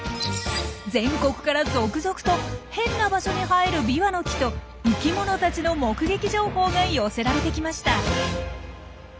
全国から続々と変な場所に生えるビワの木と生きものたちの目撃情報が寄せられてきました。